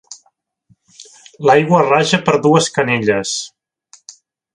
L'aigua raja per dues canelles.